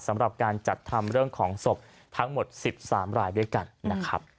สำหรับการจัดทำเรื่องของศพทั้งหมด๑๓รายด้วยกันนะครับ